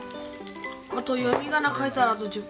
あと読み仮名書いたらあと１０ページ。